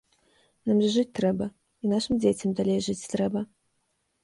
Нам жа жыць трэба і нашым дзецям далей жыць трэба.